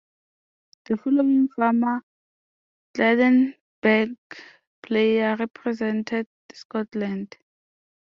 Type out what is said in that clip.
The following former Clydebank players represented Scotland.